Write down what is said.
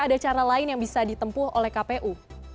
ada cara lain yang bisa ditempuh oleh kpu